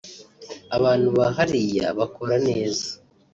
abantu ba hariya bakora neza